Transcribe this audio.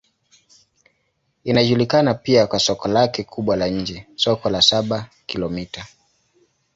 Inajulikana pia kwa soko lake kubwa la nje, Soko la Saba-Kilomita.